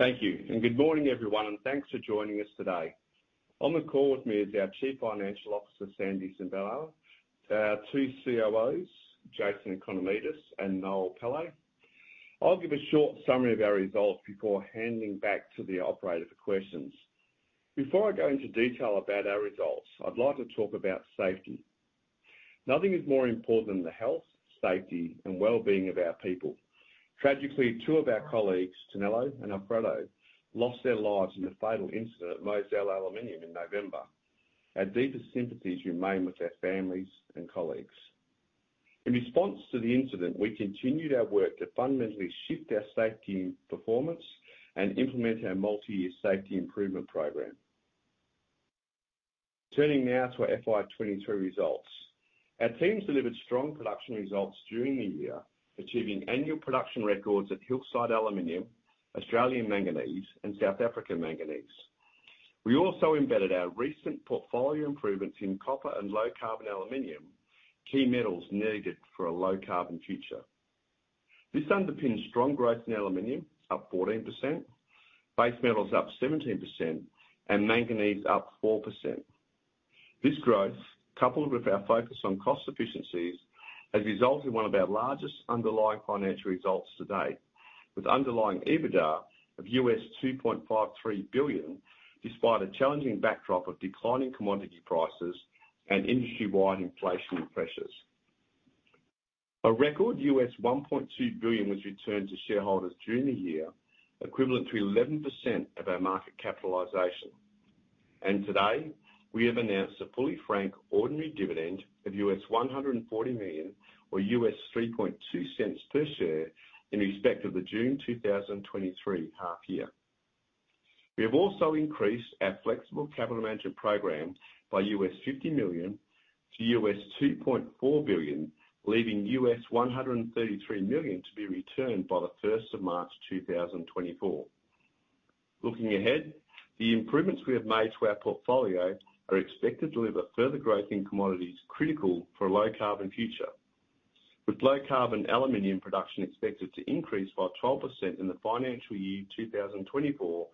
Thank you, and good morning, everyone, and thanks for joining us today. On the call with me is our Chief Financial Officer, Sandy Sibenaler, our two COOs, Jason Economidis and Noel Pillay. I'll give a short summary of our results before handing back to the operator for questions. Before I go into detail about our results, I'd like to talk about safety. Nothing is more important than the health, safety, and well-being of our people. Tragically, two of our colleagues, Tonello and Alfredo, lost their lives in a fatal incident at Mozal Aluminium in November. Our deepest sympathies remain with their families and colleagues. In response to the incident, we continued our work to fundamentally shift our safety performance and implement our multi-year safety improvement program. Turning now to our FY 2023 results, our teams delivered strong production results during the year, achieving annual production records at Hillside Aluminium, Australian Manganese, and South African Manganese. We also embedded our recent portfolio improvements in copper and low-carbon aluminium, key metals needed for a low-carbon future. This underpins strong growth in aluminium, up 14%, base metals up 17%, and manganese up 4%. This growth, coupled with our focus on cost efficiencies, has resulted in one of our largest underlying financial results to date, with underlying EBITDA of $2.53 billion, despite a challenging backdrop of declining commodity prices and industry-wide inflation pressures. A record $1.2 billion was returned to shareholders during the year, equivalent to 11% of our market capitalization. And today, we have announced a fully franked ordinary dividend of $140 million, or $3.20 per share, in respect of the June 2023 half-year. We have also increased our flexible capital management program by $50 million to $2.4 billion, leaving $133 million to be returned by the 1st of March 2024. Looking ahead, the improvements we have made to our portfolio are expected to deliver further growth in commodities critical for a low-carbon future, with low-carbon aluminium production expected to increase by 12% in the financial year 2024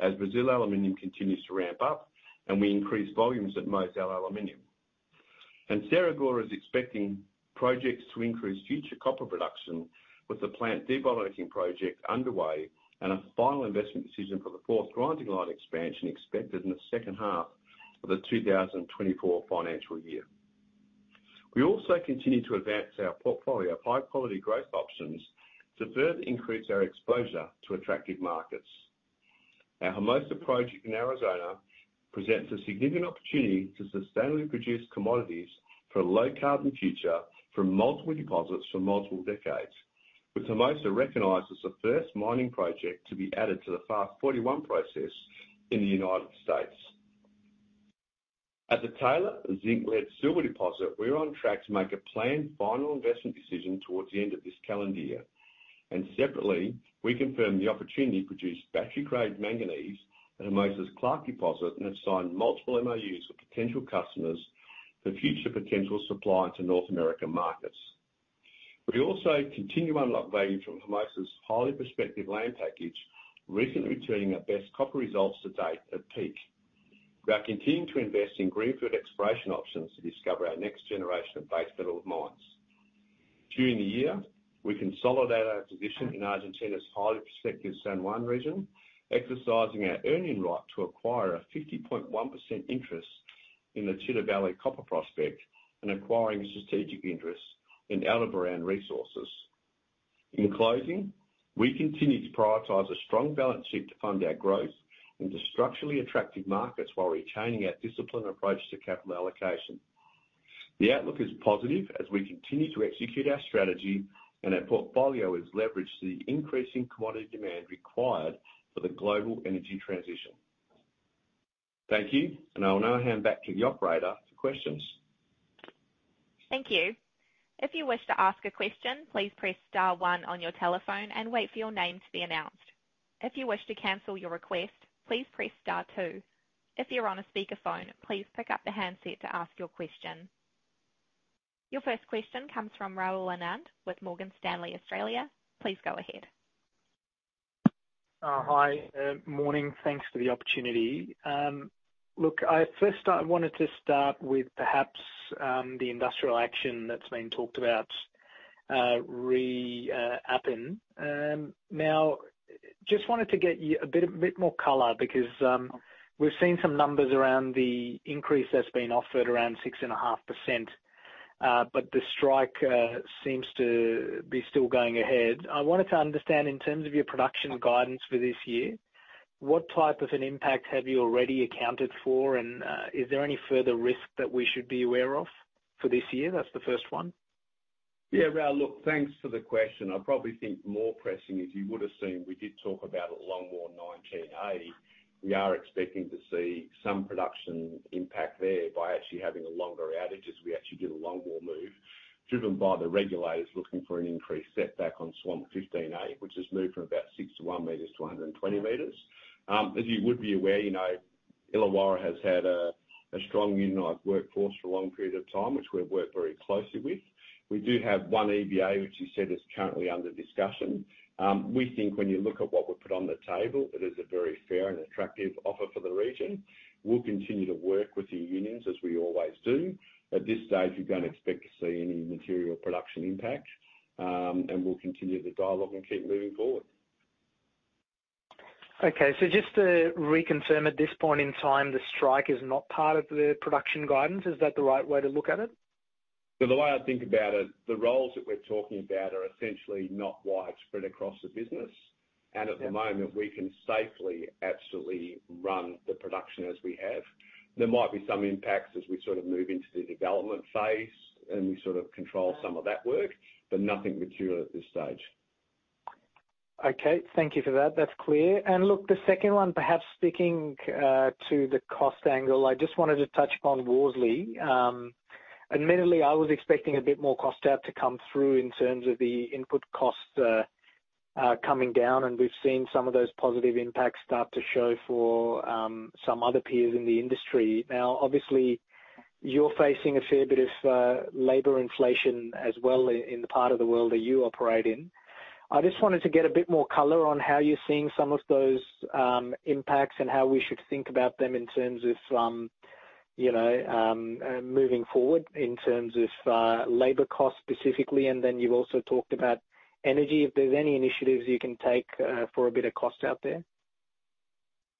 as Brazil Aluminium continues to ramp up and we increase volumes at Mozal Aluminium. Sierra Gorda is expecting projects to increase future copper production, with the plant debottlenecking project underway and a final investment decision for the fourth grinding line expansion expected in the H2 of the 2024 financial year. We also continue to advance our portfolio of high-quality growth options to further increase our exposure to attractive markets. Our Hermosa project in Arizona presents a significant opportunity to sustainably produce commodities for a low-carbon future from multiple deposits for multiple decades, with Hermosa recognized as the first mining project to be added to the FAST-41 process in the United States. At the Taylor Zinc-Lead-Silver Deposit, we're on track to make a planned final investment decision towards the end of this calendar year. And separately, we confirmed the opportunity to produce battery-grade manganese at Hermosa's Clark Deposit and have signed multiple MOUs with potential customers for future potential supply to North American markets. We also continue to unlock value from Hermosa's highly prospective land package, recently returning our best copper results to date at Peak. We are continuing to invest in greenfield exploration options to discover our next generation of base metal mines. During the year, we consolidate our position in Argentina's highly prospective San Juan region, exercising our earning right to acquire a 50.1% interest in the Chita Valley Copper Prospect and acquiring strategic interest in Aldebaran Resources. In closing, we continue to prioritize a strong balance sheet to fund our growth into structurally attractive markets while retaining our disciplined approach to capital allocation. The outlook is positive as we continue to execute our strategy and our portfolio has leveraged the increasing commodity demand required for the global energy transition. Thank you, and I will now hand back to the operator for questions. Thank you. If you wish to ask a question, please press star one on your telephone and wait for your name to be announced. If you wish to cancel your request, please press star two. If you're on a speakerphone, please pick up the handset to ask your question. Your first question comes from Rahul Anand with Morgan Stanley, Australia. Please go ahead. Hi, morning. Thanks for the opportunity. Look, I first wanted to start with perhaps the industrial action that's been talked about reappearing. Now, just wanted to get you a bit more color because we've seen some numbers around the increase that's been offered around 6.5%, but the strike seems to be still going ahead. I wanted to understand in terms of your production guidance for this year, what type of an impact have you already accounted for, and is there any further risk that we should be aware of for this year? That's the first one. Yeah, Rahul, look, thanks for the question. I probably think more pressing is you would have seen we did talk about longwall 19A. We are expecting to see some production impact there by actually having a longer outage as we actually did a longwall move driven by the regulators looking for an increased setback on seam 15A, which has moved from about 61 meters to 120 meters. As you would be aware, Illawarra has had a strong unionized workforce for a long period of time, which we've worked very closely with. We do have one EBA, which you said is currently under discussion. We think when you look at what we put on the table, it is a very fair and attractive offer for the region. We'll continue to work with the unions as we always do. At this stage, we don't expect to see any material production impact, and we'll continue the dialogue and keep moving forward. Okay, so just to reconfirm, at this point in time, the strike is not part of the production guidance. Is that the right way to look at it? So the way I think about it, the roles that we're talking about are essentially not widespread across the business, and at the moment, we can safely, absolutely run the production as we have. There might be some impacts as we sort of move into the development phase, and we sort of control some of that work, but nothing material at this stage. Okay, thank you for that. That's clear. And look, the second one, perhaps speaking to the cost angle, I just wanted to touch upon Worsley. Admittedly, I was expecting a bit more cost out to come through in terms of the input costs coming down, and we've seen some of those positive impacts start to show for some other peers in the industry. Now, obviously, you're facing a fair bit of labor inflation as well in the part of the world that you operate in. I just wanted to get a bit more color on how you're seeing some of those impacts and how we should think about them in terms of moving forward in terms of labor costs specifically. And then you've also talked about energy. If there's any initiatives you can take for a bit of cost out there?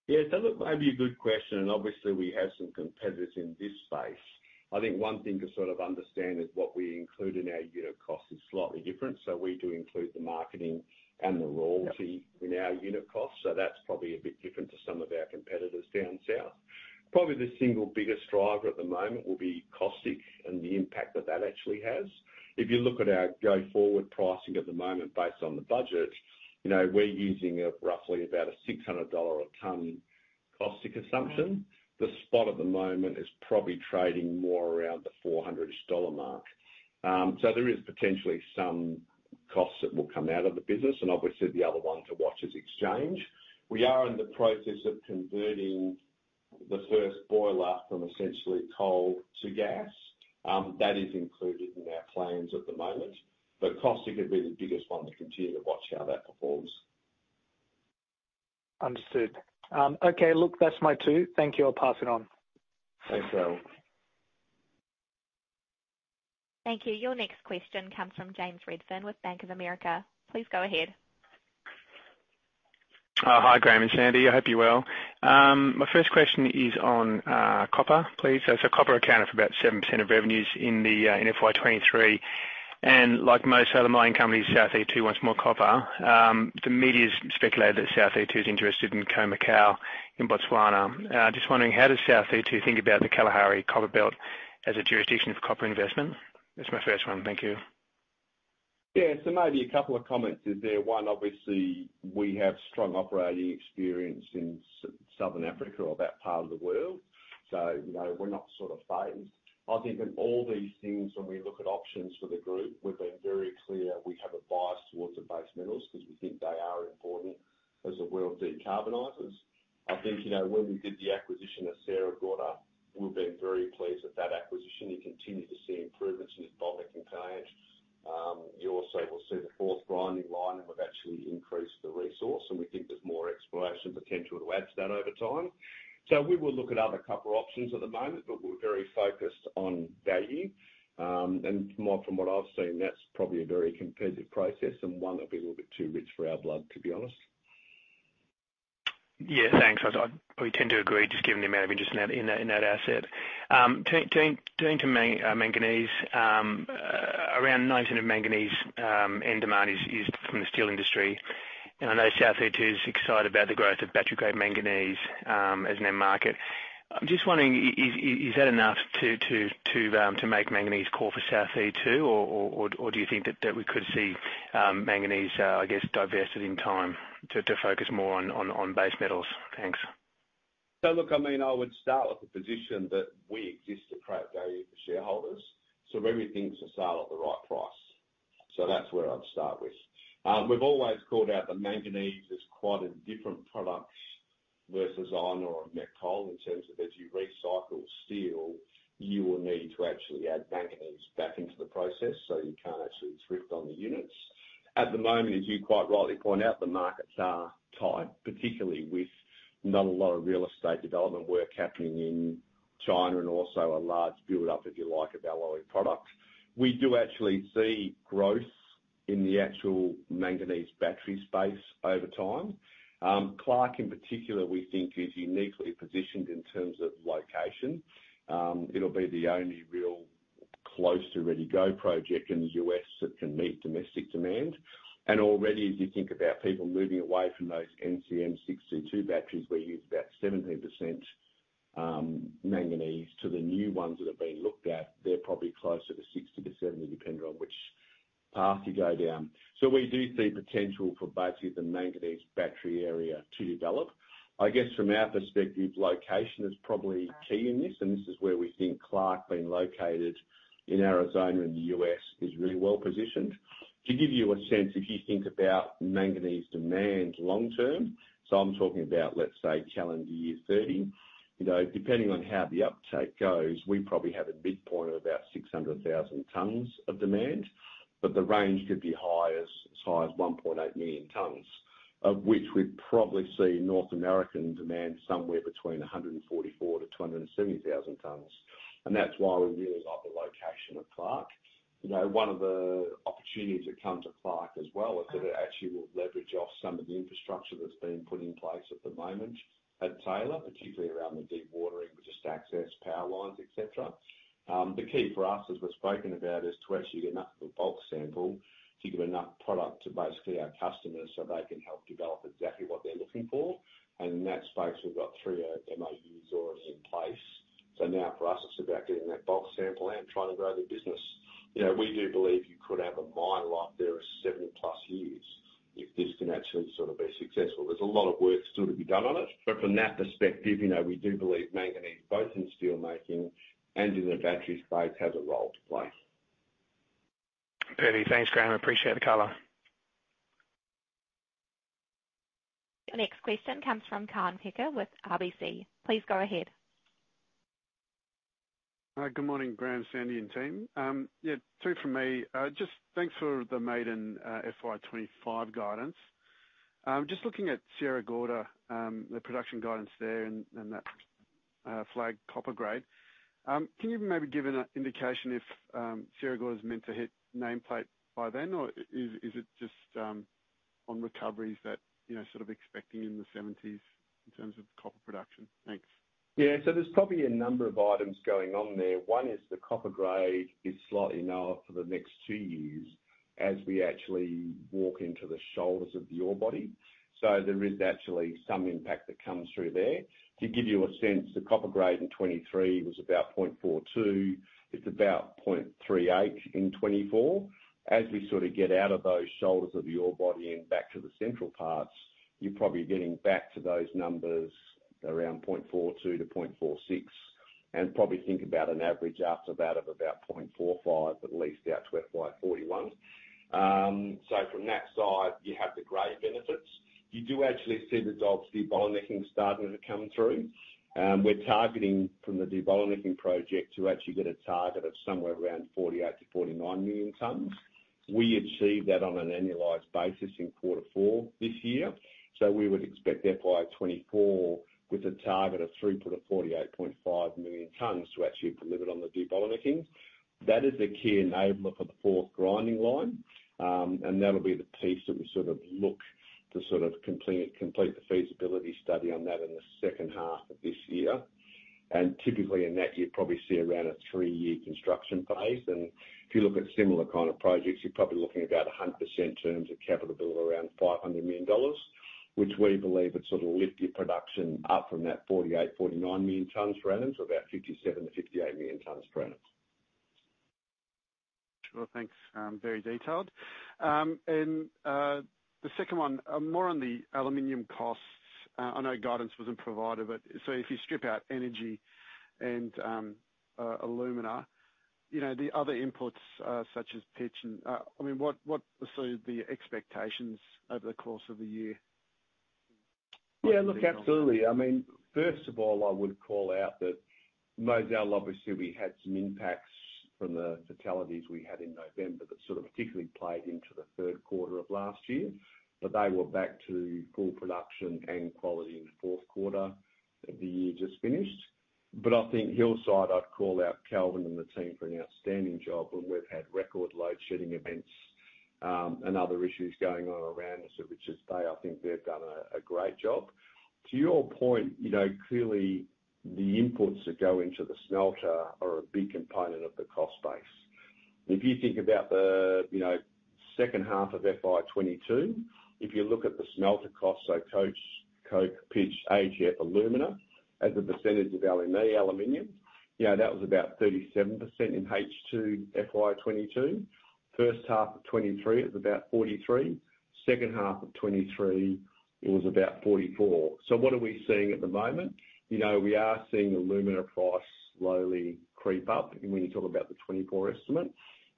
Yeah, that would be a good question, and obviously, we have some competitors in this space. I think one thing to sort of understand is what we include in our unit costs is slightly different. So we do include the marketing and the royalty in our unit costs. So that's probably a bit different to some of our competitors down south. Probably the single biggest driver at the moment will be caustic and the impact that that actually has. If you look at our go forward pricing at the moment based on the budget, we're using roughly about a $600-a-ton caustic assumption. The spot at the moment is probably trading more around the $400 mark. So there is potentially some costs that will come out of the business, and obviously, the other one to watch is exchange. We are in the process of converting the first boiler from essentially coal to gas. That is included in our plans at the moment. But caustic soda would be the biggest one to continue to watch how that performs. Understood. Okay, look, that's my two. Thank you. I'll pass it on. Thanks, Raul. Thank you. Your next question comes from James Redfern with Bank of America. Please go ahead. Hi, Graham and Sandy. I hope you're well. My first question is on copper, please. So copper accounted for about 7% of revenues in FY 2023. And like most other mining companies, South32 wants more copper. The media has speculated that South32 is interested in Khoemacau in Botswana. Just wondering, how does South32 think about the Kalahari Copper Belt as a jurisdiction for copper investment? That's my first one. Thank you. Yeah, so maybe a couple of comments in there. One, obviously, we have strong operating experience in Southern Africa or that part of the world. So we're not sort of phased. I think in all these things, when we look at options for the group, we've been very clear we have a bias towards the base metals because we think they are important as the world decarbonizes. I think when we did the acquisition of Sierra Gorda, we've been very pleased with that acquisition. You continue to see improvements in the block cave. You also will see the fourth grinding line, and we've actually increased the resource, and we think there's more exploration potential to add to that over time. So we will look at other copper options at the moment, but we're very focused on value. From what I've seen, that's probably a very competitive process and one that'll be a little bit too rich for our blood, to be honest. Yeah, thanks. I probably tend to agree, just given the amount of interest in that asset. Turning to manganese, around 9% of manganese end demand is from the steel industry. And I know South32 is excited about the growth of battery-grade manganese as an end market. I'm just wondering, is that enough to make manganese core for South32, or do you think that we could see manganese, I guess, divested in time to focus more on base metals? Thanks. So look, I mean, I would start with the position that we exist at great value for shareholders. So everything's to sell at the right price. So that's where I'd start with. We've always called out that manganese is quite a different product versus iron or met coal in terms of, as you recycle steel, you will need to actually add manganese back into the process, so you can't actually drift on the units. At the moment, as you quite rightly point out, the markets are tight, particularly with not a lot of real estate development work happening in China and also a large build-up, if you like, of our lower product. We do actually see growth in the actual manganese battery space over time. Clark, in particular, we think, is uniquely positioned in terms of location. It'll be the only real close-to-ready-go project in the U.S. that can meet domestic demand. And already, as you think about people moving away from those NCM62 batteries, we use about 17% manganese to the new ones that have been looked at. They're probably closer to 60%-70%, depending on which path you go down. So we do see potential for basically the manganese battery area to develop. I guess from our perspective, location is probably key in this, and this is where we think Clark being located in Arizona in the U.S. is really well positioned. To give you a sense, if you think about manganese demand long-term, so I'm talking about, let's say, calendar year 2030, depending on how the uptake goes, we probably have a midpoint of about 600,000 tons of demand, but the range could be as high as 1.8 million tons, of which we'd probably see North American demand somewhere between 144,000-270,000 tons. That's why we really like the location of Clark. One of the opportunities that come to Clark as well is that it actually will leverage off some of the infrastructure that's being put in place at the moment at Taylor, particularly around the dewatering, just access power lines, etc. The key for us, as we've spoken about, is to actually get enough of a bulk sample to give enough product to basically our customers so they can help develop exactly what they're looking for. And in that space, we've got three MOUs already in place. So now for us, it's about getting that bulk sample out and trying to grow the business. We do believe you could have a mine like there in 70+ years if this can actually sort of be successful. There's a lot of work still to be done on it, but from that perspective, we do believe manganese, both in steelmaking and in the battery space, has a role to play. Perfect. Thanks, Graham. Appreciate the color. The next question comes from Kaan Peker with RBC. Please go ahead. Good morning, Graham, Sandy, and team. Yeah, two from me. Just thanks for the maiden FY 2025 guidance. Just looking at Sierra Gorda, the production guidance there and that flagged copper grade. Can you maybe give an indication if Sierra Gorda is meant to hit nameplate by then, or is it just on recoveries that you're sort of expecting in the 70s% in terms of copper production? Thanks. Yeah, so there's probably a number of items going on there. One is the copper grade is slightly lower for the next two years as we actually walk into the shoulders of the ore body. So there is actually some impact that comes through there. To give you a sense, the copper grade in 2023 was about 0.42. It's about 0.38 in 2024. As we sort of get out of those shoulders of the ore body and back to the central parts, you're probably getting back to those numbers around 0.42-0.46 and probably think about an average after that of about 0.45, at least out to FY 2041. So from that side, you have the grade benefits. You do actually see the debottlenecking starting to come through. We're targeting from the debottlenecking project to actually get a target of somewhere around 48-49 million tons. We achieved that on an annualized basis in quarter four this year. We would expect FY 2024 with a target of throughput of 48.5 million tons to actually deliver on the debottlenecking. That is a key enabler for the fourth grinding line, and that'll be the piece that we sort of look to sort of complete the feasibility study on that in the H2 of this year. Typically in that, you probably see around a three-year construction phase. If you look at similar kind of projects, you're probably looking at about 100% terms of capital bill of around $500 million, which we believe would sort of lift your production up from that 48-49 million tons per annum to about 57-58 million tons per annum. Sure, thanks. Very detailed. And the second one, more on the aluminium costs. I know guidance wasn't provided, but so if you strip out energy and alumina, the other inputs such as pitch and I mean, what are the expectations over the course of the year? Yeah, look, absolutely. I mean, first of all, I would call out that Mozal, obviously, we had some impacts from the fatalities we had in November that sort of particularly played into the third quarter of last year, but they were back to full production and quality in the fourth quarter of the year just finished. But I think Hillside, I'd call out Kelvin and the team for an outstanding job, and we've had record load shedding events and other issues going on around us, which is, I think they've done a great job. To your point, clearly, the inputs that go into the smelter are a big component of the cost base. If you think about the H2 of FY 2022, if you look at the smelter costs, so caustic, coke, pitch, AlF, alumina as a percentage of aluminium, that was about 37% in H2 FY 2022. H1 of 2023, it was about 43. H2 of 2023, it was about 44. So what are we seeing at the moment? We are seeing alumina price slowly creep up when you talk about the 2024 estimate,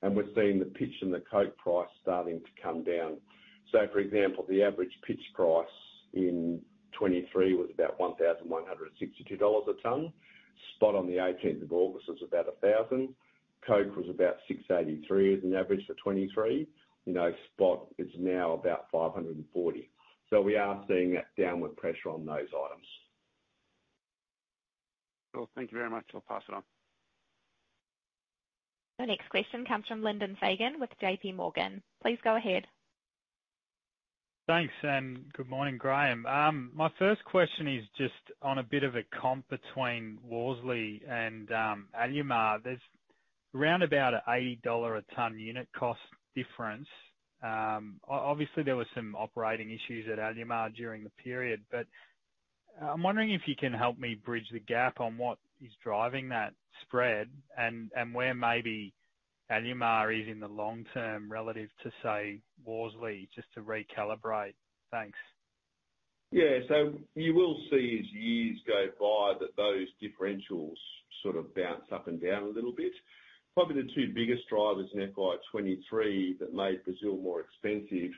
and we're seeing the pitch and the coke price starting to come down. So, for example, the average pitch price in 2023 was about $1,162 a ton. Spot on the 18th of August was about $1,000. Coke was about $683 as an average for 2023. Spot is now about $540. So we are seeing that downward pressure on those items. Cool. Thank you very much. I'll pass it on. The next question comes from Lyndon Fagan with J.P. Morgan. Please go ahead. Thanks, Sam. Good morning, Graham. My first question is just on a bit of a comp between Worsley and Alumar. There's around about an $80 a ton unit cost difference. Obviously, there were some operating issues at Alumar during the period, but I'm wondering if you can help me bridge the gap on what is driving that spread and where maybe Alumar is in the long term relative to, say, Worsley, just to recalibrate. Thanks. Yeah. So you will see as years go by that those differentials sort of bounce up and down a little bit. Probably the two biggest drivers in FY 2023 that made Brazil more expensive.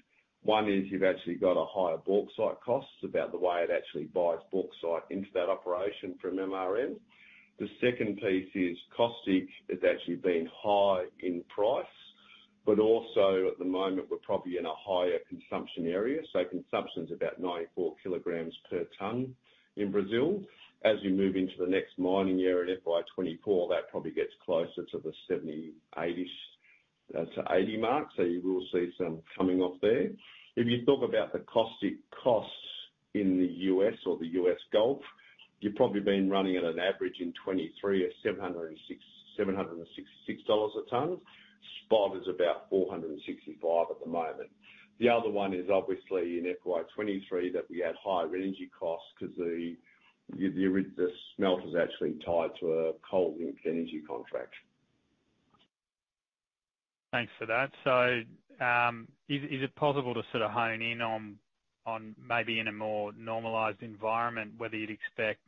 One is you've actually got a higher bauxite cost, about the way it actually buys bauxite into that operation from MRN. The second piece is caustic has actually been high in price, but also at the moment, we're probably in a higher consumption area. So consumption is about 94 kg per ton in Brazil. As you move into the next fiscal year in FY 2024, that probably gets closer to the 70-80 mark. So you will see some coming off there. If you talk about the caustic costs in the US or the US Gulf, you've probably been running at an average in 2023 of $766 a ton. Spot is about $465 at the moment. The other one is obviously in FY 2023 that we had higher energy costs because the smelter is actually tied to a coal-linked energy contract. Thanks for that. So is it possible to sort of hone in on maybe in a more normalized environment, whether you'd expect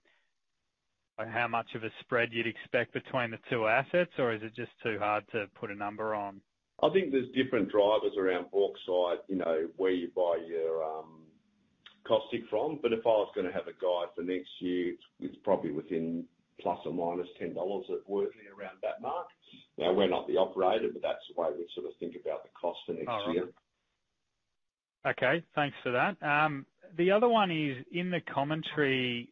how much of a spread you'd expect between the two assets, or is it just too hard to put a number on? I think there's different drivers around bauxite where you buy your caustic from, but if I was going to have a guide for next year, it's probably within plus or minus $10 at Worsley around that mark. Now, we're not the operator, but that's the way we sort of think about the cost for next year. Okay. Thanks for that. The other one is in the commentary,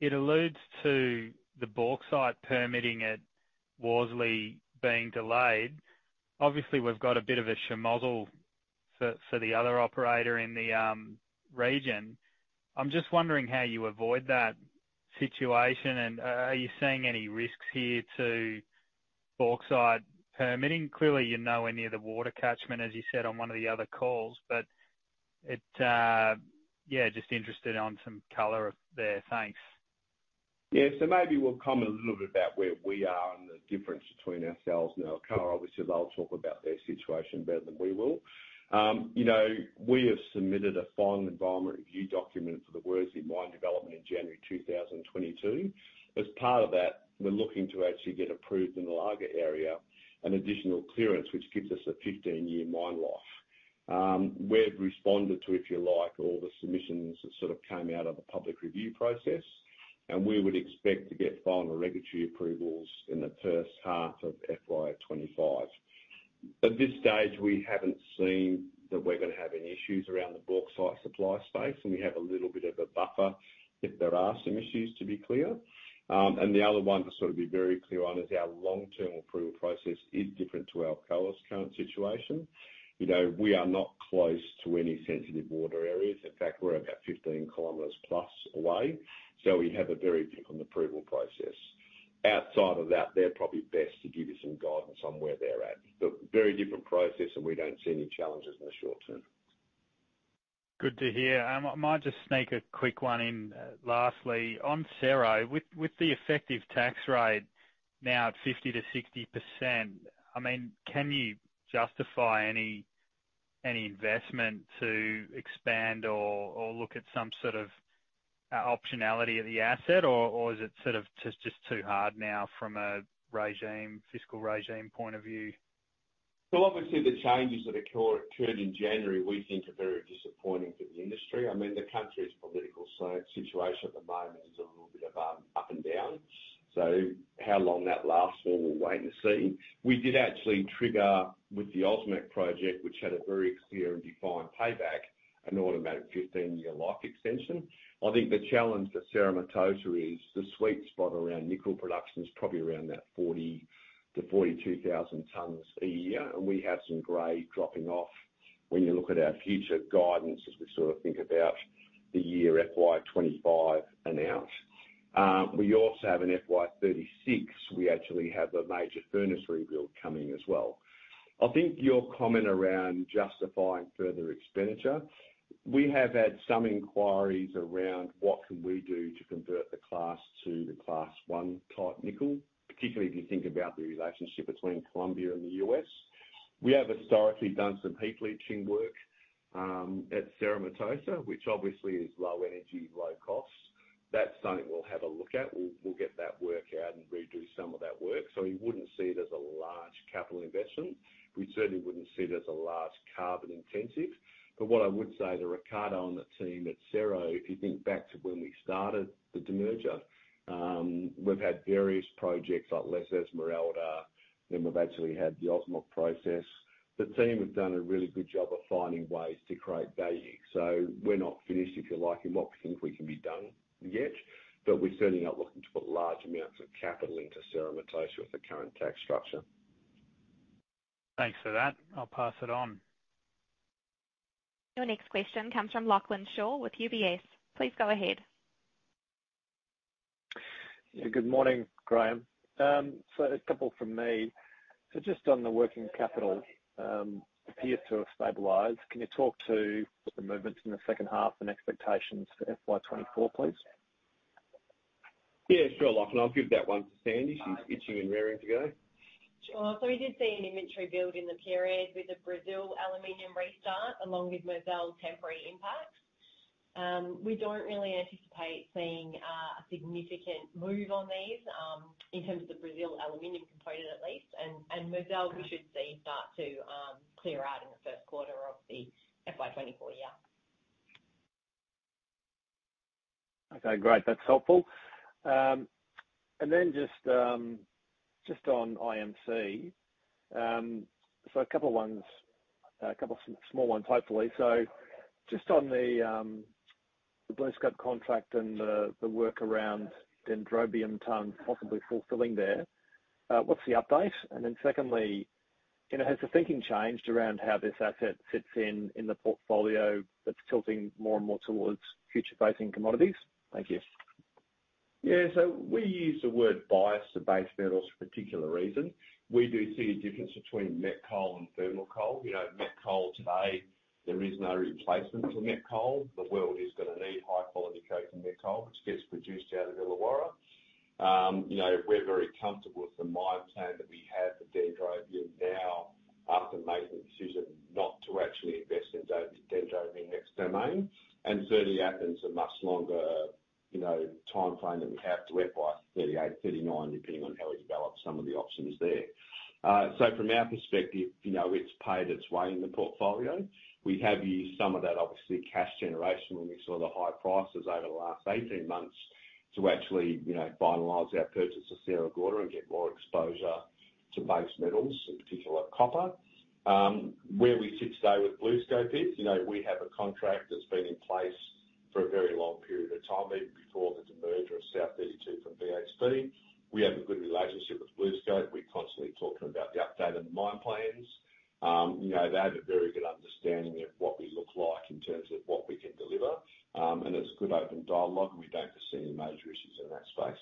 it alludes to the bauxite permitting at Worsley being delayed. Obviously, we've got a bit of a shemozzle for the other operator in the region. I'm just wondering how you avoid that situation, and are you seeing any risks here to bauxite permitting? Clearly, you're nowhere near the water catchment, as you said on one of the other calls, but yeah, just interested on some color there. Thanks. Yeah. So maybe we'll comment a little bit about where we are and the difference between ourselves and Alcoa, obviously, they'll talk about their situation better than we will. We have submitted a final environment review document for the Worsley mine development in January 2022. As part of that, we're looking to actually get approved in the Logue area an additional clearance, which gives us a 15-year mine life. We've responded to, if you like, all the submissions that sort of came out of the public review process, and we would expect to get final regulatory approvals in the H1 of FY 2025. At this stage, we haven't seen that we're going to have any issues around the bauxite supply space, and we have a little bit of a buffer if there are some issues, to be clear. And the other one to sort of be very clear on is our long-term approval process is different to Alcoa's current situation. We are not close to any sensitive water areas. In fact, we're about 15 km plus away. So we have a very different approval process. Outside of that, they're probably best to give you some guidance on where they're at. But very different process, and we don't see any challenges in the short term. Good to hear. I might just sneak a quick one in lastly. On Cerro with the effective tax rate now at 50%-60%, I mean, can you justify any investment to expand or look at some sort of optionality of the asset, or is it sort of just too hard now from a regime, fiscal regime point of view? Obviously, the changes that occurred in January, we think, are very disappointing for the industry. I mean, the country's political situation at the moment is a little bit of up and down. So how long that lasts for, we'll wait and see. We did actually trigger with the Mozal project, which had a very clear and defined payback, an automatic 15-year life extension. I think the challenge for Cerro Matoso is the sweet spot around nickel production is probably around that 40-42,000 tons a year, and we have some grade dropping off when you look at our future guidance as we sort of think about the year FY 2025 and out. We also have an FY 2036. We actually have a major furnace rebuild coming as well. I think your comment around justifying further expenditure. We have had some inquiries around what can we do to convert the class to the class one type nickel, particularly if you think about the relationship between Colombia and the U.S. We have historically done some heap leaching work at Cerro Matoso, which obviously is low energy, low cost. That's something we'll have a look at. We'll get that work out and redo some of that work. So you wouldn't see it as a large capital investment. We certainly wouldn't see it as a large carbon intensive. But what I would say to Ricardo and the team at Cerro Matoso is think back to when we started the demerger. We've had various projects like La Esmeralda, and we've actually had the Osmoc process. The team have done a really good job of finding ways to create value. We're not finished, if you like, in what we think we can be done yet, but we're certainly not looking to put large amounts of capital into Cerro Matoso with the current tax structure. Thanks for that. I'll pass it on. Your next question comes from Lachlan Shaw with UBS. Please go ahead. Yeah, good morning, Graham. So a couple from me. So just on the working capital, it appears to have stabilized. Can you talk to the movements in the second half and expectations for FY 2024, please? Yeah, sure, Lachlan. I'll give that one to Sandy. She's itching and rearing to go. Sure. So we did see an inventory build in the period with the Brazil aluminum restart along with Mozal's temporary impacts. We don't really anticipate seeing a significant move on these in terms of the Brazil aluminum component at least. Mozal, we should see start to clear out in the first quarter of the FY 2024 year. Okay, great. That's helpful. And then just on IMC, so a couple of ones, a couple of small ones, hopefully. So just on the BlueScope contract and the work around Dendrobium tonnes, possibly fulfilling there, what's the update? And then secondly, has the thinking changed around how this asset fits in the portfolio that's tilting more and more towards future-facing commodities? Thank you. Yeah. So we use the word bias to base metals. Particular reason. We do see a difference between met coal and thermal coal. Met coal today, there is no replacement for met coal. The world is going to need high-quality coke and met coal, which gets produced out of Illawarra. We're very comfortable with the mine plan that we have for Dendrobium now after making the decision not to actually invest in Dendrobium Next Domain. And certainly, that's a much longer timeframe that we have to FY 2038, 2039, depending on how we develop some of the options there. So from our perspective, it's paid its way in the portfolio. We have used some of that, obviously, cash generation when we saw the high prices over the last 18 months to actually finalize our purchase of Sierra Gorda and get more exposure to base metals, in particular copper. Where we sit today with BlueScope is we have a contract that's been in place for a very long period of time, even before the demerger of South32 from BHP. We have a good relationship with BlueScope. We're constantly talking about the update and the mine plans. They have a very good understanding of what we look like in terms of what we can deliver, and it's a good open dialogue. We don't foresee any major issues in that space.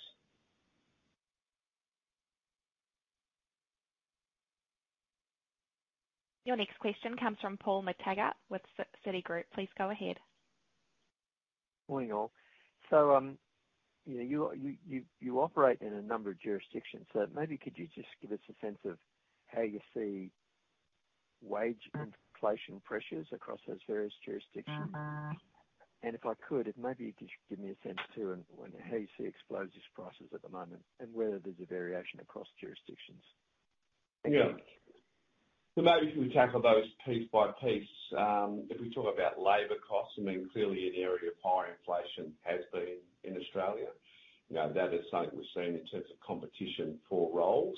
Your next question comes from Paul McTaggart with Citigroup. Please go ahead. Morning, all. You operate in a number of jurisdictions. Maybe you could just give us a sense of how you see wage inflation pressures across those various jurisdictions. If I could, maybe you could just give me a sense too on how you see explosives prices at the moment and whether there's a variation across jurisdictions. Yeah. So maybe if we tackle those piece by piece. If we talk about labor costs, I mean, clearly, an area of higher inflation has been in Australia. That is something we've seen in terms of competition for roles.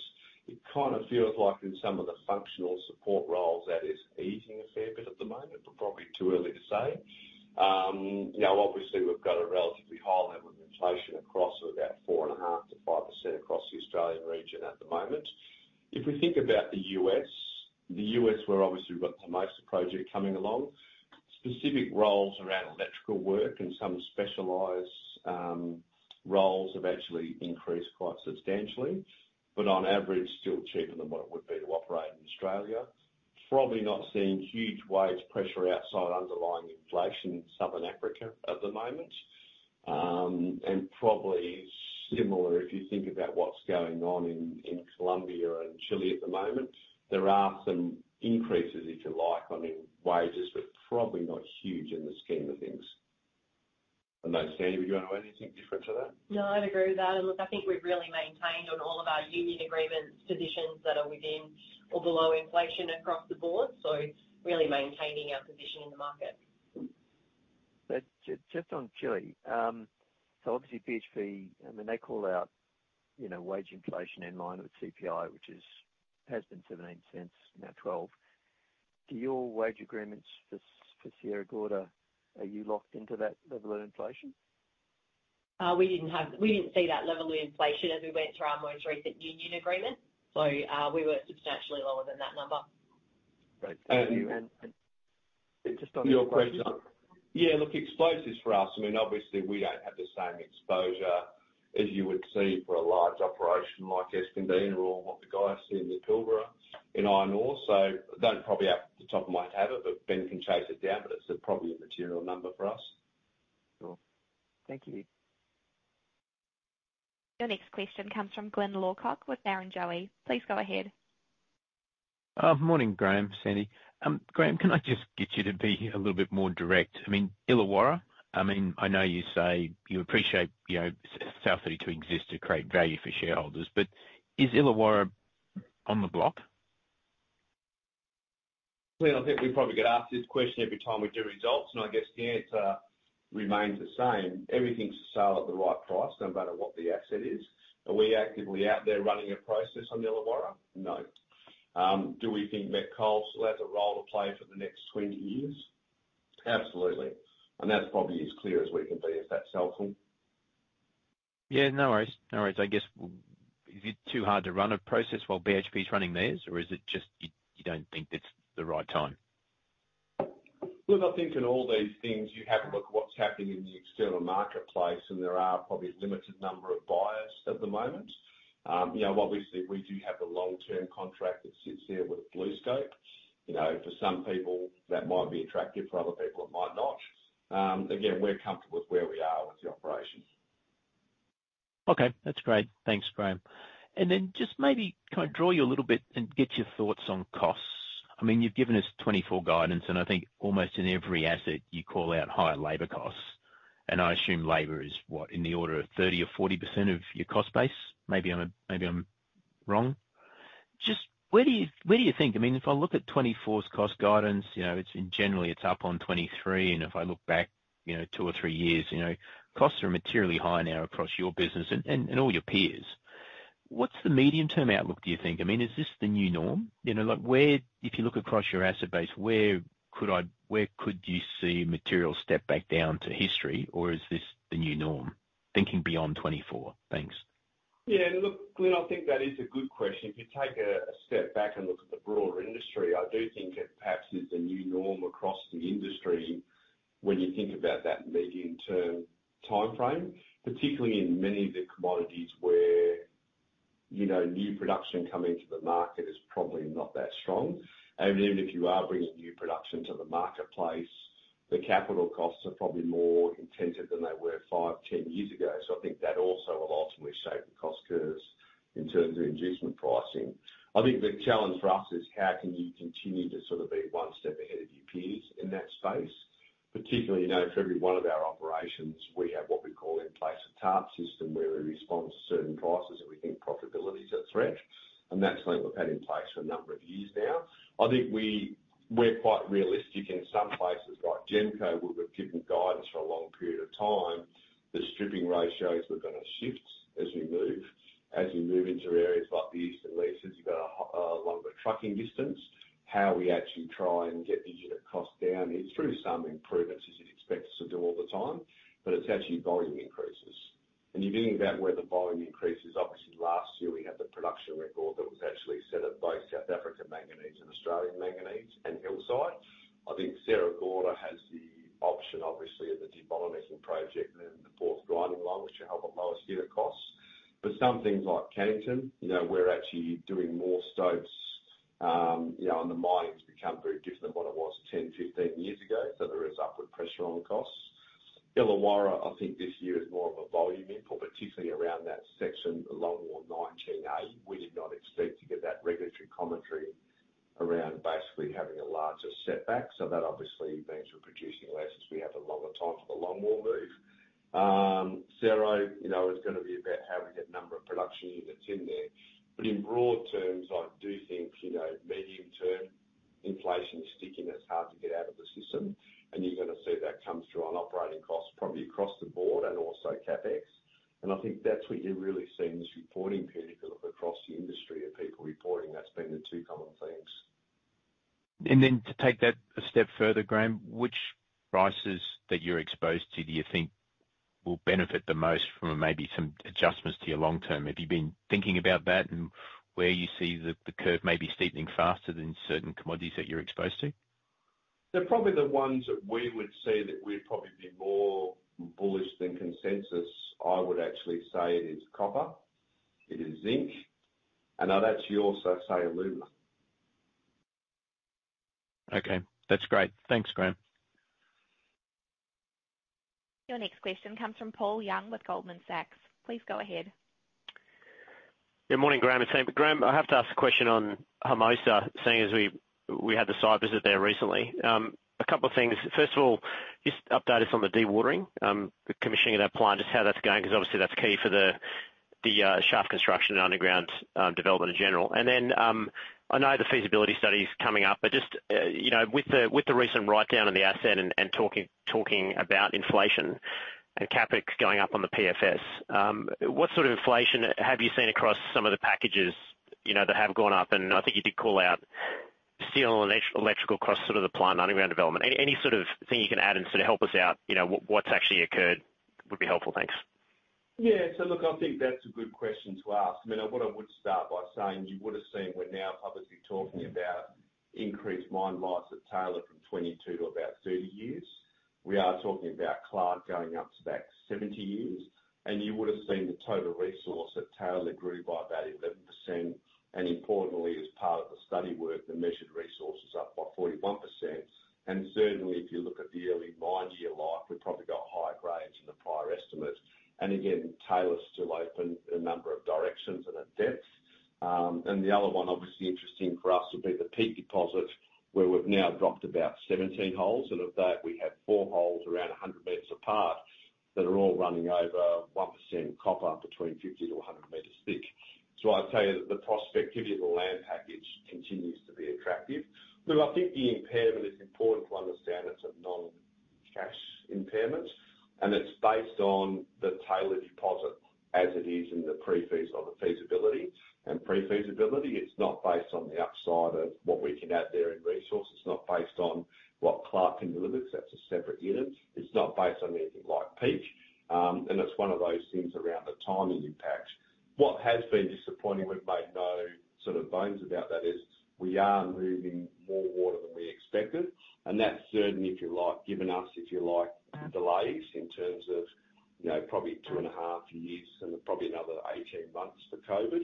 It kind of feels like in some of the functional support roles that is eating a fair bit at the moment, but probably too early to say. Now, obviously, we've got a relatively high level of inflation across about 4.5%-5% across the Australian region at the moment. If we think about the U.S., the U.S., where obviously we've got the Hermosa project coming along, specific roles around electrical work and some specialized roles have actually increased quite substantially, but on average, still cheaper than what it would be to operate in Australia. Probably not seeing huge wage pressure outside underlying inflation in Southern Africa at the moment. And probably similar, if you think about what's going on in Colombia and Chile at the moment, there are some increases, if you like, on wages, but probably not huge in the scheme of things. I know, Sandy, would you want to add anything different to that? No, I'd agree with that, and look, I think we've really maintained on all of our union agreements positions that are within or below inflation across the board, so really maintaining our position in the market. Just on Chile. So obviously, BHP, I mean, they call out wage inflation in line with CPI, which has been 17%, now 12%. Do your wage agreements for Sierra Gorda, are you locked into that level of inflation? We didn't see that level of inflation as we went through our most recent union agreement. So we were substantially lower than that number. Great. And just on. Your question. Yeah, look, explosives for us. I mean, obviously, we don't have the same exposure as you would see for a large operation like Escondida or what the guy's seeing in Pilbara in iron ore. So they probably up at the top of my tab, but Ben can chase it down, but it's probably a material number for us. Sure. Thank you. Your next question comes from Glyn Lawcock with Barrenjoey. Please go ahead. Morning, Graham, Sandy. Graham, can I just get you to be a little bit more direct? I mean, Illawarra, I mean, I know you say you appreciate South32 exists to create value for shareholders, but is Illawarra on the block? I think we probably get asked this question every time we do results, and I guess the answer remains the same. Everything's to sell at the right price, no matter what the asset is. Are we actively out there running a process on Illawarra? No. Do we think met coal still has a role to play for the next 20 years? Absolutely. And that's probably as clear as we can be if that's helpful. Yeah, no worries. No worries. I guess, is it too hard to run a process while BHP is running theirs, or is it just you don't think it's the right time? Look, I think in all these things, you have to look at what's happening in the external marketplace, and there are probably a limited number of buyers at the moment. Obviously, we do have a long-term contract that sits here with BlueScope. For some people, that might be attractive. For other people, it might not. Again, we're comfortable with where we are with the operation. Okay. That's great. Thanks, Graham. And then just maybe kind of draw you a little bit and get your thoughts on costs. I mean, you've given us 2024 guidance, and I think almost in every asset, you call out higher labor costs. And I assume labor is what, in the order of 30% or 40% of your cost base? Maybe I'm wrong. Just where do you think? I mean, if I look at 2024's cost guidance, generally, it's up on 2023. And if I look back two or three years, costs are materially high now across your business and all your peers. What's the medium-term outlook, do you think? I mean, is this the new norm? If you look across your asset base, where could you see material step back down to history, or is this the new norm? Thinking beyond 2024. Thanks. Yeah. And look, Glyn, I think that is a good question. If you take a step back and look at the broader industry, I do think it perhaps is the new norm across the industry when you think about that medium-term timeframe, particularly in many of the commodities where new production coming to the market is probably not that strong. And even if you are bringing new production to the marketplace, the capital costs are probably more intensive than they were five, 10 years ago. So I think that also will ultimately shape the cost curves in terms of inducement pricing. I think the challenge for us is how can you continue to sort of be one step ahead of your peers in that space? Particularly for every one of our operations, we have what we call in place a TARP system where we respond to certain prices if we think profitability is at threat, and that's something we've had in place for a number of years now. I think we're quite realistic in some places like GEMCO. We were given guidance for a long period of time that stripping ratios were going to shift as we move. As we move into areas like the Eastern Leases, you've got a longer trucking distance. How we actually try and get the unit cost down is through some improvements, as you'd expect us to do all the time, but it's actually volume increases, and you're thinking about where the volume increases. Obviously, last year, we had the production record that was actually set at both South African Manganese and Australian Manganese and Hillside. I think Sierra Gorda has the option, obviously, of the debottlenecking project and then the fourth grinding line, which will help lower unit costs. But some things like Cannington, we're actually doing more stopes. And the mining has become very different than what it was 10, 15 years ago. So there is upward pressure on costs. Illawarra, I think this year is more of a volume impact, particularly around that section, the longwall 19A. We did not expect to get that regulatory commentary around basically having a larger setback. So that obviously means we're producing less as we have a longer time for the longwall move. Sierra is going to be about how we get a number of production units in there. But in broad terms, I do think medium-term inflation is sticking. It's hard to get out of the system. You're going to see that come through on operating costs, probably across the board and also CapEx. I think that's what you really see in this reporting period. If you look across the industry of people reporting, that's been the two common things. And then to take that a step further, Graham, which prices that you're exposed to do you think will benefit the most from maybe some adjustments to your long term? Have you been thinking about that and where you see the curve maybe steepening faster than certain commodities that you're exposed to? So, probably the ones that we would see that we'd probably be more bullish than consensus. I would actually say it is copper. It is zinc, and I'd actually also say aluminum. Okay. That's great. Thanks, Graham. Your next question comes from Paul Young with Goldman Sachs. Please go ahead. Good morning, Graham. Graham, I have to ask a question on Hermosa, seeing as we had the cyber visit there recently. A couple of things. First of all, just update us on the dewatering, the commissioning of that plant, just how that's going, because obviously that's key for the shaft construction and underground development in general. And then I know the feasibility study is coming up, but just with the recent write-down of the asset and talking about inflation and CapEx going up on the PFS, what sort of inflation have you seen across some of the packages that have gone up? And I think you did call out steel and electrical across sort of the plant and underground development. Any sort of thing you can add and sort of help us out what's actually occurred would be helpful. Thanks. Yeah. So look, I think that's a good question to ask. I mean, what I would start by saying, you would have seen we're now publicly talking about increased mine life at Taylor from 22 to about 30 years. We are talking about Cannington going up to about 70 years. And you would have seen the total resource at Taylor grew by about 11%. And importantly, as part of the study work, the measured resource was up by 41%. And certainly, if you look at the early mine year life, we've probably got higher grades than the prior estimate. And again, Taylor is still open in a number of directions and at depth. And the other one, obviously interesting for us, would be the Peak deposit where we've now dropped about 17 holes. And of that, we have four holes around 100 meters apart that are all running over 1% copper between 50-100 meters thick. So I'd tell you that the prospectivity of the land package continues to be attractive. But I think the impairment is important to understand. It's a non-cash impairment. And it's based on the Taylor Deposit as it is in the pre-feasibility and pre-feasibility. It's not based on the upside of what we can add there in resource. It's not based on what Clark can deliver, because that's a separate unit. It's not based on anything like Peak. And it's one of those things around the timing impact. What has been disappointing, we've made no sort of bones about that, is we are moving more water than we expected. That's certain, if you like, given us, if you like, delays in terms of probably two and a half years and probably another 18 months for COVID.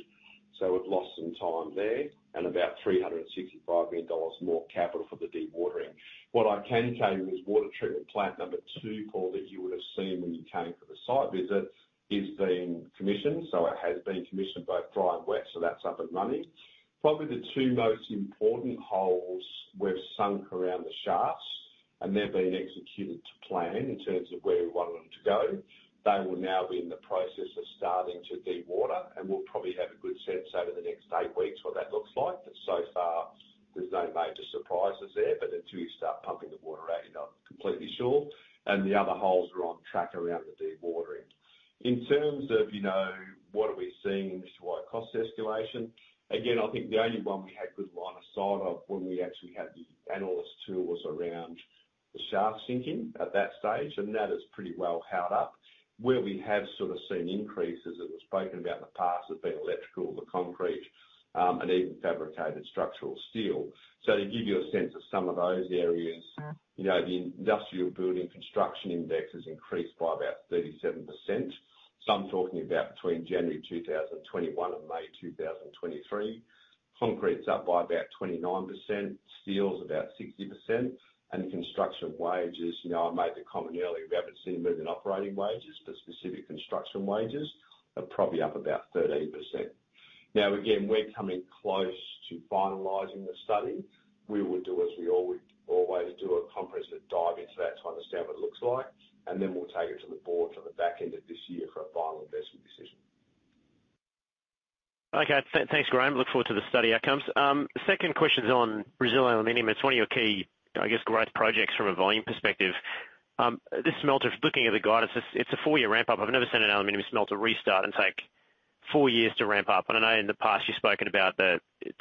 So we've lost some time there and about $365 million more capital for the dewatering. What I can tell you is water treatment plant number two, Paul, that you would have seen when you came for the site visit, is being commissioned. So it has been commissioned both dry and wet. So that's up and running. Probably the two most important holes were sunk around the shafts, and they've been executed to plan in terms of where we wanted them to go. They will now be in the process of starting to dewater, and we'll probably have a good sense over the next eight weeks what that looks like. So far, there's no major surprises there, but until you start pumping the water out, you're not completely sure, and the other holes are on track around the dewatering. In terms of what are we seeing in this wide cost escalation, again, I think the only one we had good line of sight of when we actually had the analyst tour was around the shaft sinking at that stage, and that is pretty well held up. Where we have sort of seen increases, as we've spoken about in the past, has been electrical, the concrete, and even fabricated structural steel, so to give you a sense of some of those areas, the industrial building construction index has increased by about 37%, so I'm talking about between January 2021 and May 2023. Concrete's up by about 29%, steel's about 60%, and construction wages, I made the comment earlier, we haven't seen moving operating wages, but specific construction wages are probably up about 13%. Now, again, we're coming close to finalizing the study. We will do, as we always do, a comprehensive dive into that to understand what it looks like, and then we'll take it to the board for the back end of this year for a final investment decision. Okay. Thanks, Graham. Look forward to the study outcomes. Second question is on Brazil aluminum. It's one of your key, I guess, growth projects from a volume perspective. This smelter, looking at the guidance, it's a four-year ramp-up. I've never seen an aluminum smelter restart and take four years to ramp up. And I know in the past you've spoken about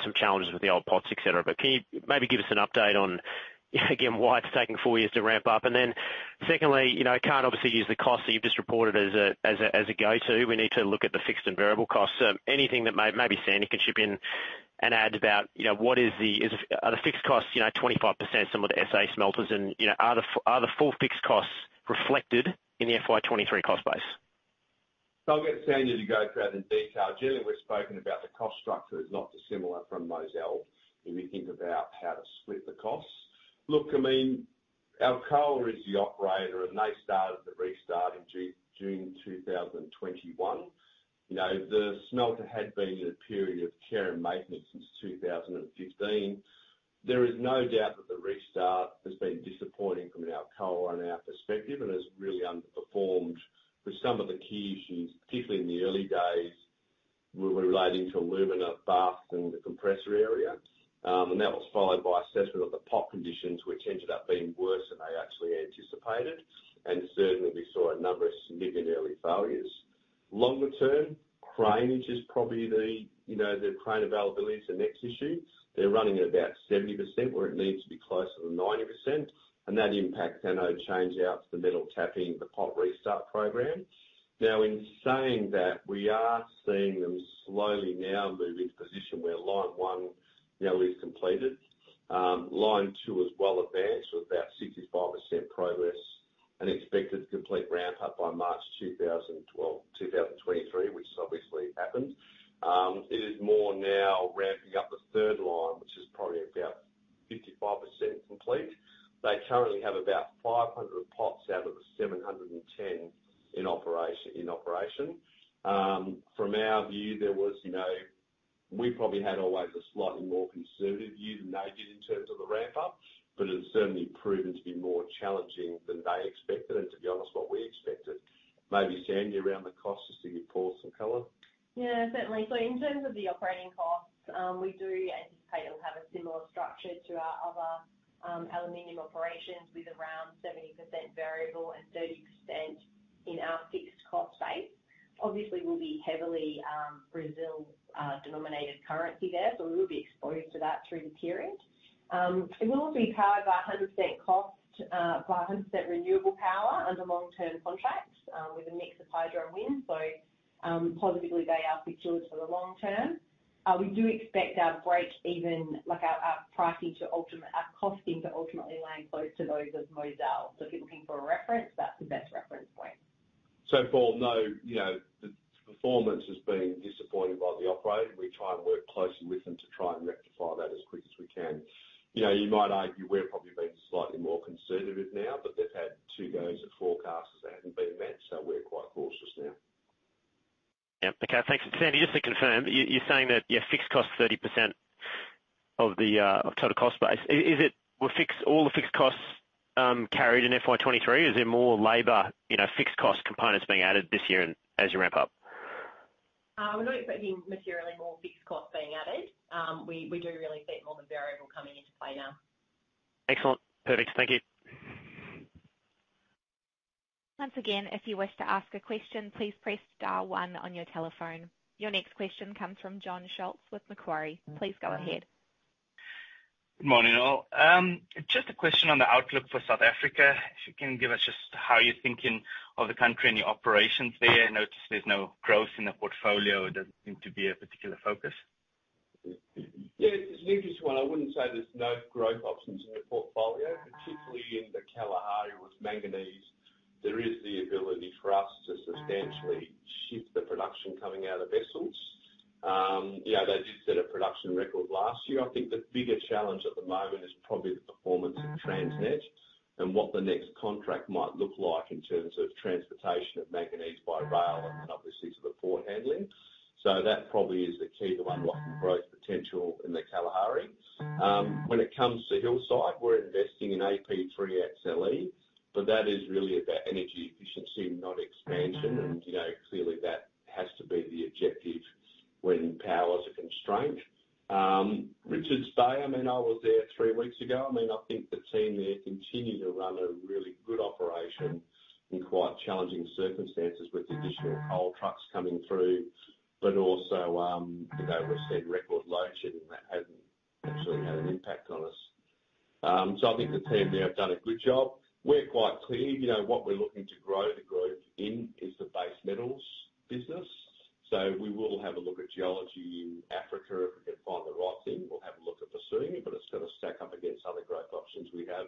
some challenges with the old pots, etc., but can you maybe give us an update on, again, why it's taking four years to ramp up? And then secondly, I can't obviously use the costs that you've just reported as a go-to. We need to look at the fixed and variable costs. So anything that maybe Sandy can chip in and add about what are the fixed costs 25%, some of the SA smelters, and are the full fixed costs reflected in the FY 2023 cost base? I'll get Sandy to go through that in detail. Generally, we've spoken about the cost structure is not dissimilar from Mozal if you think about how to split the costs. Look, I mean, Alcoa is the operator, and they started the restart in June 2021. The smelter had been in a period of care and maintenance since 2015. There is no doubt that the restart has been disappointing from an Alcoa and our perspective and has really underperformed with some of the key issues, particularly in the early days relating to alumina baths and the compressor area. And that was followed by assessment of the pot conditions, which ended up being worse than they actually anticipated. And certainly, we saw a number of significant early failures. Longer term, craneage is probably the crane availability is the next issue. They're running at about 70%, where it needs to be closer to 90%. And that impacts anode changeouts, the metal tapping, the pot restart program. Now, in saying that, we are seeing them slowly now move into position where line one is completed. Line two is well advanced with about 65% progress and expected to complete ramp-up by March 2023, which obviously happened. It is more now ramping up the third line, which is probably about 55% complete. They currently have about 500 pots out of the 710 in operation. From our view, we probably had always a slightly more conservative view than they did in terms of the ramp-up, but it's certainly proven to be more challenging than they expected. And to be honest, what we expected, maybe Sandy around the cost just to give Paul some color. Yeah, certainly. So in terms of the operating costs, we do anticipate it'll have a similar structure to our other aluminium operations with around 70% variable and 30% in our fixed cost base. Obviously, we'll be heavily Brazil-denominated currency there, so we will be exposed to that through the period. It will also be powered by 100% renewable power under long-term contracts with a mix of hydro and wind. So positively, they are secured for the long term. We do expect our break-even, our costing to ultimately land close to those of Mozal. So if you're looking for a reference, that's the best reference point. So, Paul, no, the performance has been disappointing by the operator. We try and work closely with them to try and rectify that as quick as we can. You might argue we're probably being slightly more conservative now, but they've had two goes at forecasts that haven't been met, so we're quite cautious now. Yeah. Okay. Thanks. Sandy, just to confirm, you're saying that your fixed costs 30% of the total cost base. Is it all the fixed costs carried in FY 2023? Is there more labor, fixed cost components being added this year as you ramp up? We're not expecting materially more fixed costs being added. We do really see more of the variable coming into play now. Excellent. Perfect. Thank you. Once again, if you wish to ask a question, please press star one on your telephone. Your next question comes from Jon Scholtz with Macquarie. Please go ahead. Good morning, all. Just a question on the outlook for South Africa. If you can give us just how you're thinking of the country and your operations there? I noticed there's no growth in the portfolio. It doesn't seem to be a particular focus. Yeah. It's an interesting one. I wouldn't say there's no growth options in the portfolio, particularly in the Kalahari with manganese. There is the ability for us to substantially shift the production coming out of Wessels. They did set a production record last year. I think the bigger challenge at the moment is probably the performance of Transnet and what the next contract might look like in terms of transportation of manganese by rail and then obviously to the port handling. So that probably is the key to unlocking growth potential in the Kalahari. When it comes to Hillside, we're investing in AP3XLE, but that is really about energy efficiency, not expansion. And clearly, that has to be the objective when power is a constraint. Richards Bay, I mean, I was there three weeks ago. I mean, I think the team there continued to run a really good operation in quite challenging circumstances with additional coal trucks coming through, but also we've seen record load shedding that hasn't actually had an impact on us. So I think the team there have done a good job. We're quite clear. What we're looking to grow the group in is the base metals business. So we will have a look at geology in Africa. If we can find the right thing, we'll have a look at pursuing it, but it's going to stack up against other growth options we have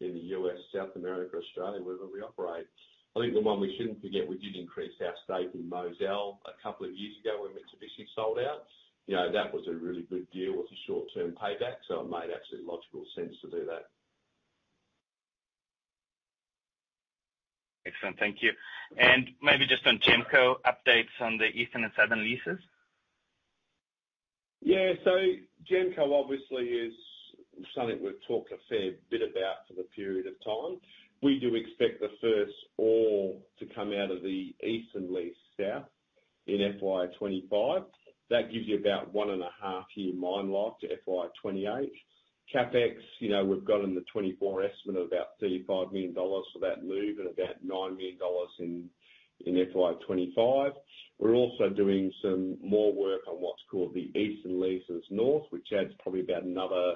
in the U.S., South America, Australia, wherever we operate. I think the one we shouldn't forget, we did increase our stake in Mozal a couple of years ago when Mitsubishi sold out. That was a really good deal with a short-term payback, so it made absolutely logical sense to do that. Excellent. Thank you, and maybe just on GEMCO updates on the Eastern and Southern leases. Yeah. So GEMCO obviously is something we've talked a fair bit about for the period of time. We do expect the first ore to come out of the Eastern Leases South in FY 2025. That gives you about one and a half year mine life to FY 2028. CapEx, we've got in the 24 estimate of about $35 million for that move and about $9 million in FY 2025. We're also doing some more work on what's called the Eastern Leases North, which adds probably about another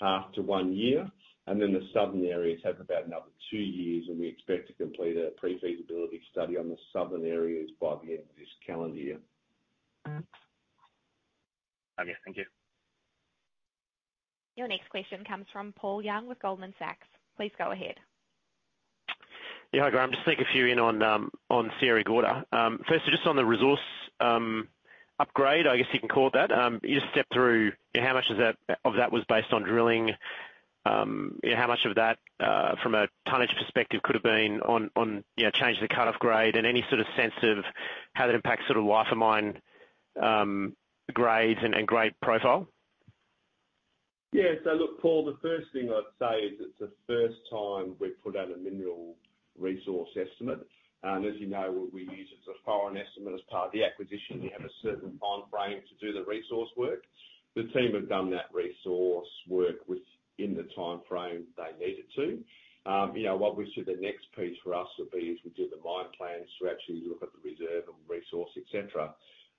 half to one year. And then the southern areas have about another two years, and we expect to complete a pre-feasibility study on the southern areas by the end of this calendar year. Okay. Thank you. Your next question comes from Paul Young with Goldman Sachs. Please go ahead. Yeah. Hi, Graham. Just to take a few in on Sierra Gorda. First, just on the resource upgrade, I guess you can call it that, you just stepped through how much of that was based on drilling, how much of that from a tonnage perspective could have been on changing the cut-off grade and any sort of sense of how that impacts sort of life of mine grades and grade profile? Yeah. So look, Paul, the first thing I'd say is it's the first time we've put out a mineral resource estimate. And as you know, we use it as a foreign estimate as part of the acquisition. You have a certain timeframe to do the resource work. The team have done that resource work within the timeframe they needed to. Obviously, the next piece for us would be if we did the mine plans to actually look at the reserve and resource,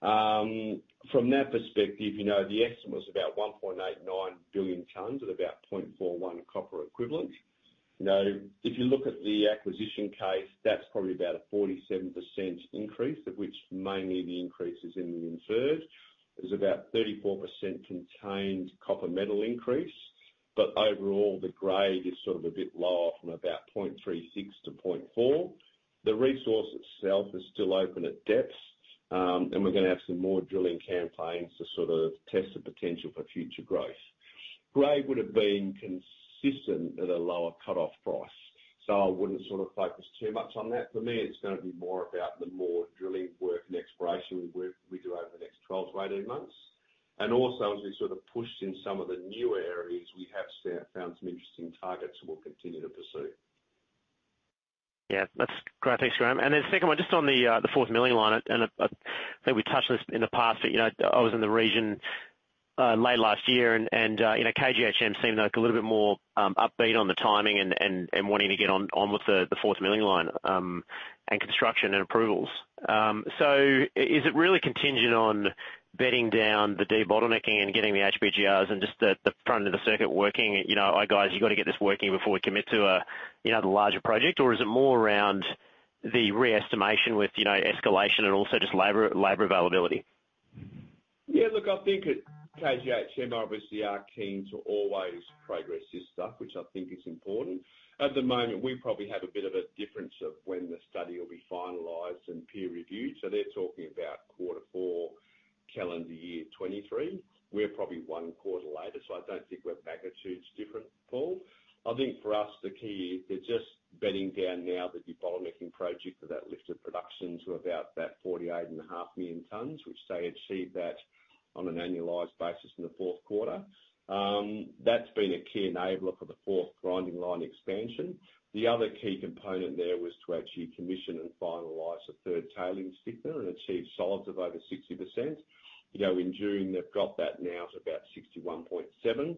etc. From that perspective, the estimate was about 1.89 billion tons at about 0.41 copper equivalent. If you look at the acquisition case, that's probably about a 47% increase, of which mainly the increase is in the inferred. There's about 34% contained copper metal increase, but overall, the grade is sort of a bit lower from about 0.36 to 0.4. The resource itself is still open at depth, and we're going to have some more drilling campaigns to sort of test the potential for future growth. Grade would have been consistent at a lower cut-off price, so I wouldn't sort of focus too much on that. For me, it's going to be more about the more drilling work and exploration work we do over the next 12-18 months, and also, as we sort of pushed in some of the newer areas, we have found some interesting targets we'll continue to pursue. Yeah. That's great. Thanks, Graham. And then second one, just on the fourth milling line, and I think we touched on this in the past, but I was in the region late last year, and KGHM seemed like a little bit more upbeat on the timing and wanting to get on with the fourth milling line and construction and approvals. So is it really contingent on bedding down the debottlenecking and getting the HPGRs and just the front end of the circuit working, "Oh, guys, you've got to get this working before we commit to a larger project"? Or is it more around the re-estimation with escalation and also just labor availability? Yeah. Look, I think at KGHM, obviously, are keen to always progress this stuff, which I think is important. At the moment, we probably have a bit of a difference of when the study will be finalized and peer-reviewed. So they're talking about quarter four, calendar year 2023. We're probably one quarter later, so I don't think we're magnitudes different, Paul. I think for us, the key is they're just bedding down now the debottlenecking project of that lifted production to about that 48.5 million tons, which they achieved that on an annualized basis in the fourth quarter. That's been a key enabler for the fourth grinding line expansion. The other key component there was to actually commission and finalize a third tailings thickener and achieve solids of over 60%. In June, they've got that now to about 61.7%.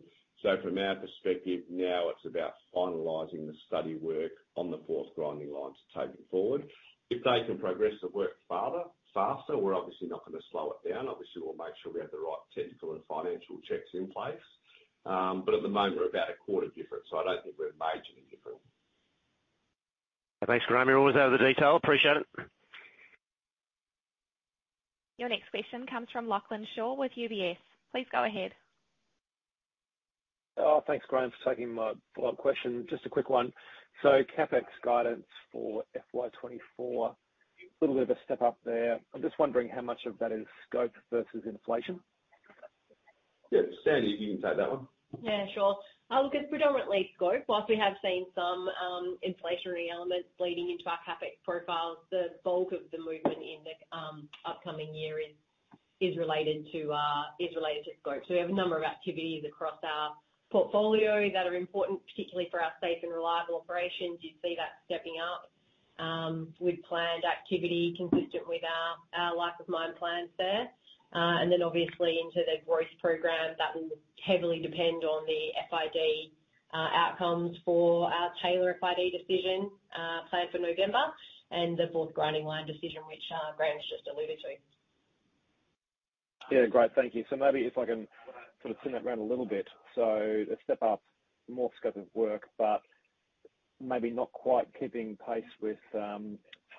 From our perspective, now it's about finalizing the study work on the fourth grinding line to take it forward. If they can progress the work faster, we're obviously not going to slow it down. Obviously, we'll make sure we have the right technical and financial checks in place. But at the moment, we're about a quarter different, so I don't think we're majorly different. Thanks, Graham. You're always over the detail. Appreciate it. Your next question comes from Lachlan Shaw with UBS. Please go ahead. Thanks, Graham, for taking my follow-up question. Just a quick one. So CapEx guidance for FY 2024, a little bit of a step up there. I'm just wondering how much of that is scope versus inflation? Yeah. Sandy, if you can take that one. Yeah, sure. Look, it's predominantly scope. While we have seen some inflationary elements bleeding into our CapEx profiles, the bulk of the movement in the upcoming year is related to scope. So we have a number of activities across our portfolio that are important, particularly for our safe and reliable operations. You'd see that stepping up with planned activity consistent with our life of mine plans there. And then, obviously, into the growth program, that will heavily depend on the FID outcomes for our Taylor FID decision planned for November and the fourth grinding line decision, which Graham's just alluded to. Yeah. Great. Thank you. So maybe it's like a sort of turn that around a little bit. So a step up, more scope of work, but maybe not quite keeping pace with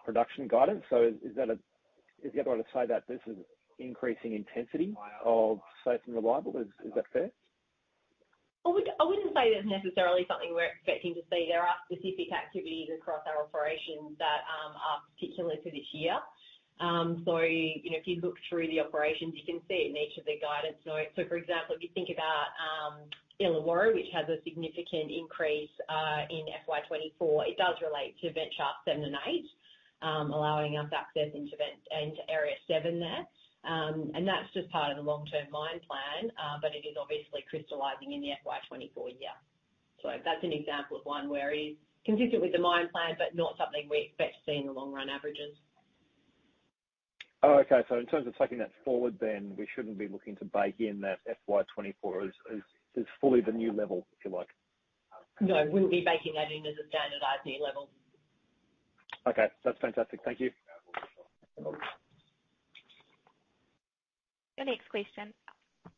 production guidance. So is the other way to say that this is increasing intensity of safe and reliable? Is that fair? I wouldn't say that's necessarily something we're expecting to see. There are specific activities across our operations that are particular to this year. So if you look through the operations, you can see it in each of the guidance notes. So, for example, if you think about Illawarra, which has a significant increase in FY 2024, it does relate to Vent Shaft 7 and 8, allowing us access into Area 7 there. And that's just part of the long-term mine plan, but it is obviously crystallizing in the FY 2024 year. So that's an example of one where it is consistent with the mine plan, but not something we expect to see in the long run averages. Okay. So in terms of taking that forward, then we shouldn't be looking to bake in that FY 2024 as fully the new level, if you like. No. We'll be baking that in as a standardized new level. Okay. That's fantastic. Thank you. Your next question.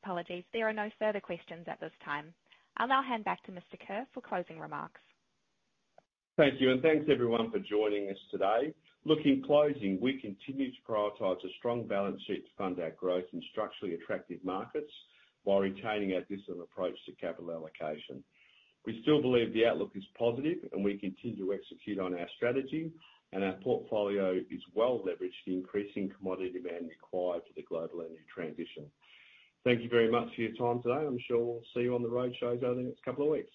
Apologies. There are no further questions at this time. I'll now hand back to Mr. Kerr for closing remarks. Thank you. And thanks, everyone, for joining us today. In closing, we continue to prioritize a strong balance sheet to fund our growth in structurally attractive markets while retaining our disciplined approach to capital allocation. We still believe the outlook is positive, and we continue to execute on our strategy, and our portfolio is well leveraged to the increase in commodity demand required for the global energy transition. Thank you very much for your time today. I'm sure we'll see you on the roadshows over the next couple of weeks.